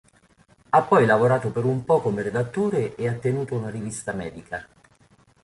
Ha poi lavorato per un po' come redattore e ha tenuto una rivista medica.